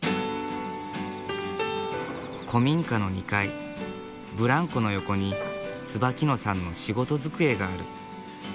古民家の２階ブランコの横に椿野さんの仕事机がある。